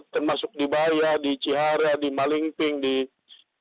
termasuk di bahia di cihara di malingping di wanesalam